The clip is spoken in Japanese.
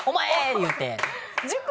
言うて。